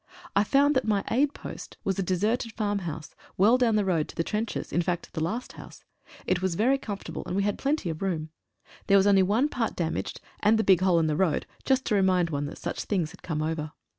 I found that my aid post was a deserted farm house, well down the road to the trenches, in fact, the last house. It was very comfort able, and we had plenty of room. There was only one part damaged, and the big hole in the road just to re mind one that such things had come over.